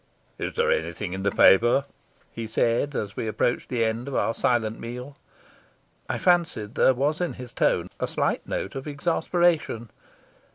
"Is there anything in the paper?" he said, as we approached the end of our silent meal. I fancied there was in his tone a slight note of exasperation.